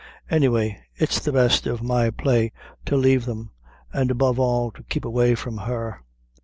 Any way, it's the best of my play to lave them; an' above all, to keep away from her.